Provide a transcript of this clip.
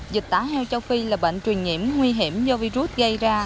dịch tả heo châu phi là bệnh truyền nhiễm nguy hiểm do virus gây ra